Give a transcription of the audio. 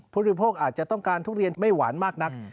ผู้บริโภคอาจจะต้องการทุเรียนไม่หวานมากนัก